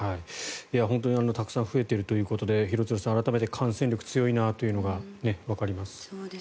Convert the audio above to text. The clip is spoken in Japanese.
本当にたくさん増えているということで廣津留さん、改めて感染力が強いなというのがわかります。